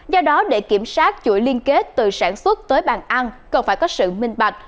do đó để kiểm soát chuỗi liên kết từ sản xuất tới bàn ăn cần phải có sự minh bạch